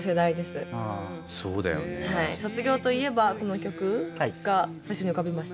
卒業といえばこの曲が最初に浮かびました。